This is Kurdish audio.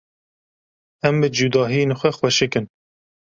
Em bi cudahiyên xwe xweşik in.